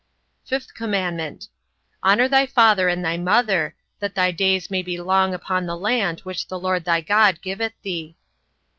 5th commandment: Honour thy father and thy mother: that thy days may be long upon the land which the LORD thy God giveth thee.